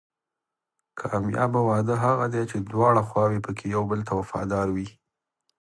کامیابه واده هغه دی چې دواړه خواوې پکې یو بل ته وفادار وي.